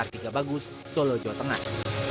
artiga bagus solo jawa tengah